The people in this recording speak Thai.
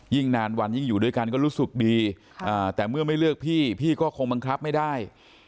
นานวันยิ่งอยู่ด้วยกันก็รู้สึกดีแต่เมื่อไม่เลือกพี่พี่ก็คงบังคับไม่ได้